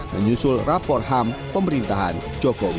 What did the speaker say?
menyusul rapor ham pemerintahan jokowi